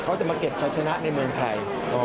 เขาจะมาเก็บชัยชนะในเมืองไทย